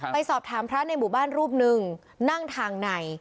ไปสอบถามพระในหมู่บ้านรูปหนึ่งนั่งทางใน